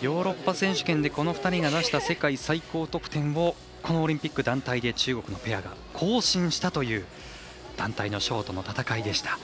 ヨーロッパ選手権でこの２人が出した世界最高得点をこのオリンピック団体で中国のペアが更新したという団体のショートの戦いでした。